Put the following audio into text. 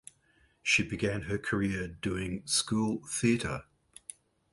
She began her career doing school theater.